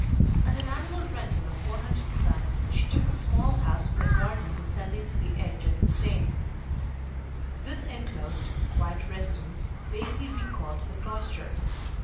At an annual rental of 400 francs she took a small house with a garden descending to the edge of the Seine. This enclosed, quiet residence vaguely recalled the cloister.